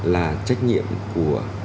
là trách nhiệm của